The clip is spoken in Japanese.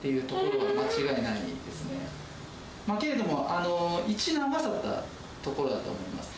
けれども一難は去ったところだと思います。